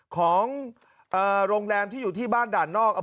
ของโรงแรมที่อยู่ที่บ้านด่านนอก